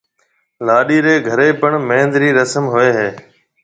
لاڏِي رَي گھرَي پڻ مھندِي رِي رسم ھوئيَ ھيََََ